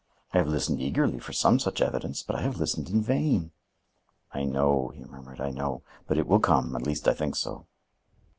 I have listened eagerly for some such evidence, but I have listened in vain." "I know," he murmured, "I know. But it will come; at least I think so."